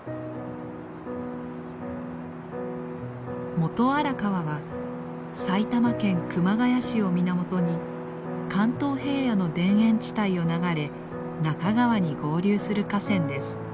元荒川は埼玉県熊谷市を源に関東平野の田園地帯を流れ中川に合流する河川です。